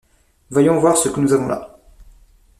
Voyons voir ce que nous avons là !